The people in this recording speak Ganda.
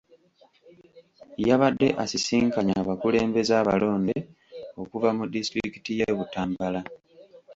Yabadde asisinkanye abakulembeze abalonde okuva mu disitulikiti y'e Butambala.